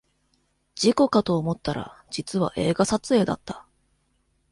事故かと思ったら実は映画撮影だった